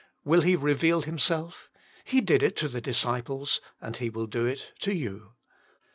Will He reveal Himself ? He did it to the disciples and He will do it to you.